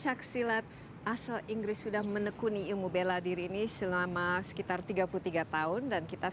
mari kita lihat anda menunjukkan beberapa hal untuk kami